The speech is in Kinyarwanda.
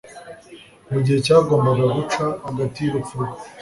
Mu gihe cyagombaga guca hagati y'urupfu rwe